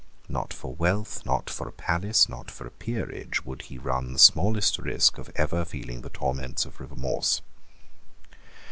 Not for wealth, not for a palace, not for a peerage, would he run the smallest risk of ever feeling the torments of remorse.